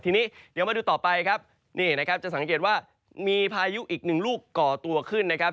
ทีนี้เดี๋ยวมาดูต่อไปครับนี่นะครับจะสังเกตว่ามีพายุอีกหนึ่งลูกก่อตัวขึ้นนะครับ